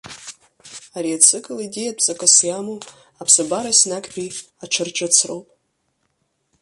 Ари ацикл идеиатә ҵакыс иаҵоу аԥсабара еснагьтәи аҽырҿыцроуп.